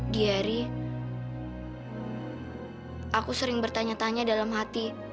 di hari aku sering bertanya tanya dalam hati